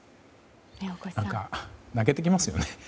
何か、泣けてきますよね。